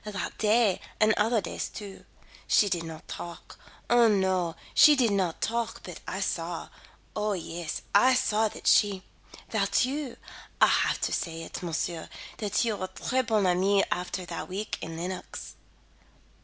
"That day and other days too. She did not talk Oh, no, she did not talk, but I saw Oh, yes, I saw that she that you I'll have to say it, monsieur, that you were tres bons amis after that week in Lenox."